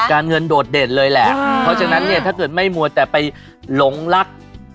เงินโดดเด่นเลยแหละเพราะฉะนั้นเนี่ยถ้าเกิดไม่มัวแต่ไปหลงรัก